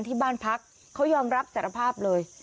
ที่บ้านพักเขายอมรับสารภาพเลย